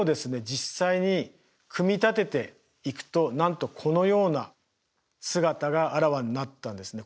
実際に組み立てていくとなんとこのような姿があらわになったんですね。